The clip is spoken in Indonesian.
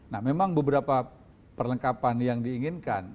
nah memang beberapa perlengkapan yang diinginkan